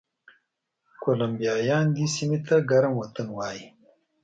کولمبیایان دې سیمې ته ګرم وطن وایي.